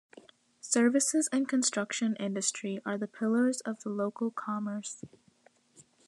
Services and construction industry are the pillars of the local commerce.